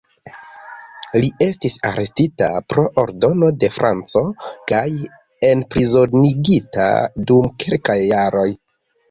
Li estis arestita pro ordono de Franco kaj enprizonigita dum kelkaj jaroj.